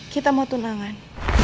kita mau tunangan